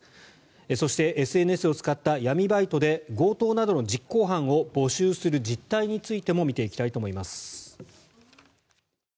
そしてＳＮＳを使った闇バイトで強盗などの実行犯を募集する実態についても見ていきたいと思います。